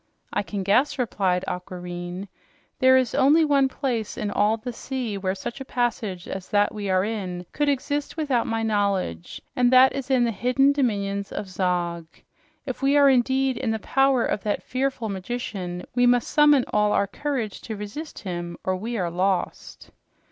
"I can guess," replied Aquareine. "There is only one place in all the sea where such a passage as that we are in could exist without my knowledge, and that is in the hidden dominions of Zog. If we are indeed in the power of that fearful magician, we must summon all our courage to resist him, or we are lost!"